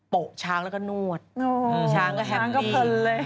โปะช้างแล้วก็นวดช้างก็แฮปก็เพลินเลย